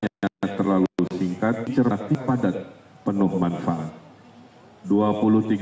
kita rasanya tidak terlalu singkat cerah tapi padat penuh manfaat